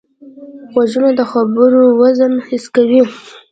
غوږونه د خبرو وزن حس کوي